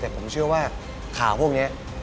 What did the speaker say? แต่ผมเชื่อว่าข่าวพวกนี้